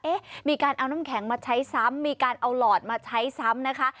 มีการเอาน้ำแข็งมาใช้ซ้ำมีการเอาหลอดมาใช้ซ้ำนะคะ